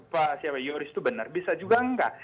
pak yaw rizal itu benar bisa juga enggak